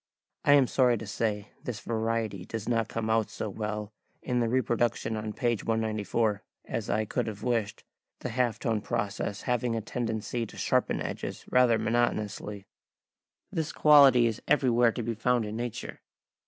I am sorry to say this variety does not come out so well in the reproduction on page 194 [Transcribers Note: Plate XLIV] as I could have wished, the half tone process having a tendency to sharpen edges rather monotonously. This quality is everywhere to be found in nature.